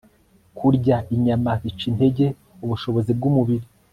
Kurya inyama bica intege ubushobozi bwumubiri